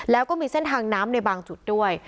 แล้วก็มีเส้นทางน้ำในบางจุดด้วย